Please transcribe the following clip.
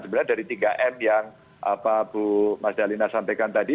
sebenarnya dari tiga m yang mas jalina sampaikan tadi